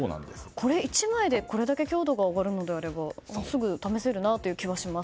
これ１枚でこれだけ強度が上がるのであればすぐ試せる気がします。